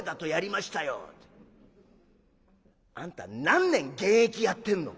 あんた何年現役やってんの？